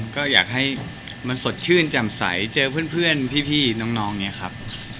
ก็อยากให้มันสดชื่นจำใสเจอเพื่อนพี่น้องเนี่ยครับ